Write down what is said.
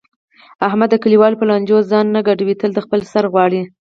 احمد د کلیوالو په لانجو کې ځان نه ګډوي تل د خپل سر غواړي.